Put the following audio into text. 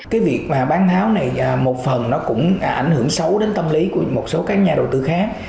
cái việc mà bán tháo này một phần nó cũng ảnh hưởng xấu đến tâm lý của một số các nhà đầu tư khác